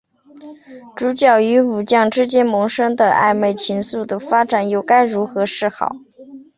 主角与武将之间萌生的暧昧情愫的发展又该如何是好？